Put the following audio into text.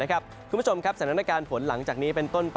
คุณผู้ชมสถานการณ์ผลหลังจากวันนี้ไปเป็นต้น